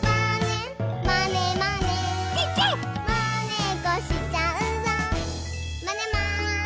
「まねっこしちゃうぞまねまねぽん！」